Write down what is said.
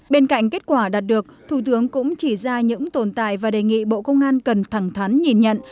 bên cạnh kết quả đạt được thủ tướng cũng chỉ ra những tồn tại và đề nghị bộ công an cần thẳng thắn nhìn nhận